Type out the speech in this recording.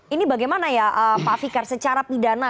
ini bagaimana ya pak fikar secara pidana